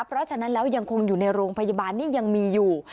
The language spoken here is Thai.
เพราะฉะนั้นแล้วยังคงอยู่ในโรงพยาบาลนี่ยังมีอยู่